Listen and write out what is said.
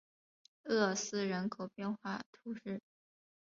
厄斯人口变化图示